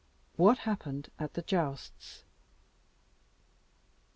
What happened at the Jousts.